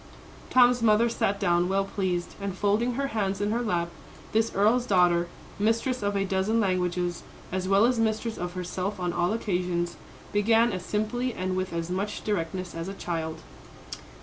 Tom's mother sat down well pleased, and folding her hands in her lap, this earl's daughter, mistress of a dozen languages, as well as mistress of herself on all occasions, began as simply and with as much directness as a child.